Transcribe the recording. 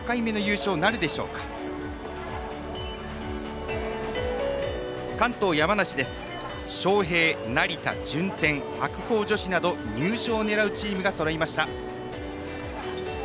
昌平、成田、順天、白鵬女子など入賞を狙うチームがそろいました。